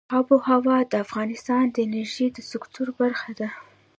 آب وهوا د افغانستان د انرژۍ د سکتور برخه ده.